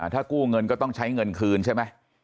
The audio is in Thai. ถ้ากู้เงินก็ต้องใช้เงินคืนใช่ไหม